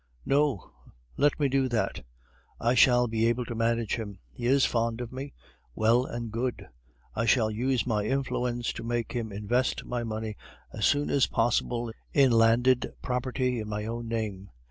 "No, let me do that; I shall be able to manage him. He is fond of me, well and good; I shall use my influence to make him invest my money as soon as possible in landed property in my own name.